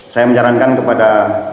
saya mencarankan kepada